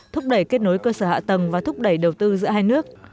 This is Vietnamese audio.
thúc đẩy kết nối cơ sở hạ tầng và thúc đẩy đầu tư giữa hai nước